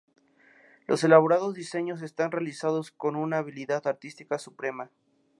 Los elaborados diseños están realizados con una habilidad artística suprema.